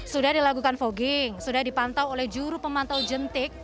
sudah dilakukan fogging sudah dipantau oleh juru pemantau jentik